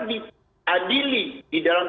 diadili di dalam